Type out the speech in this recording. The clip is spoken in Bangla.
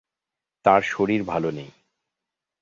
তাঁর শরীর ভালো নেই।